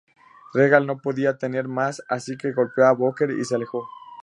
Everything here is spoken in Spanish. Regal no podía tener más, así que golpeó a Booker y se alejó.